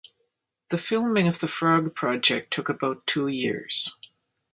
The filming of the Frog project took about two years.